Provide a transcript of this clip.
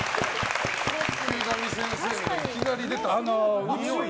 池上先生がいきなり出た。